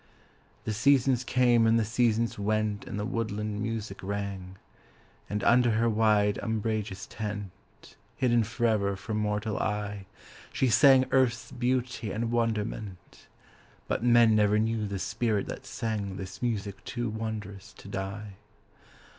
The seasons came and the seasons went And the woodland music rang; And under her wide umbrageous tent, Hidden forever from mortal eye, She sang earth's beauty and wonderment. But men never knew the spirit that sang This music too wondrous to die.